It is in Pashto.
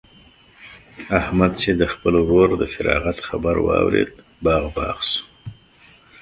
احمد چې د خپل ورور د فراغت خبر واورېد؛ باغ باغ شو.